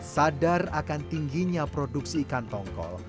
sadar akan tingginya produksi ikan tongkol